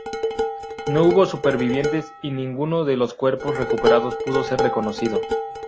No hubo supervivientes y ninguno de los cuerpos recuperados pudo ser reconocido.